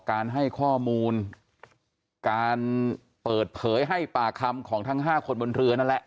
การให้ข้อมูลการเปิดเผยให้ปากคำของทั้ง๕คนบนเรือนั่นแหละ